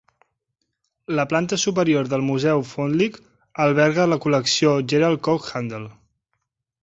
La planta superior del Museu Foundling alberga la Col·lecció Gerald Coke Handel.